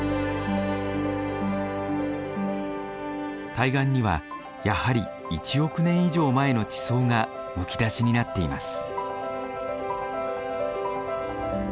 対岸にはやはり１億年以上前の地層がむき出しになっています。